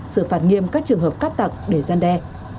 xử phạt nghiêm các trường hợp cắt tặc để gian đe